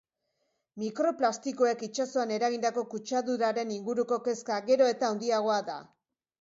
Mikroplastikoek itsasoan eragindako kutsaduraren inguruko kezka gero eta handiagoa da.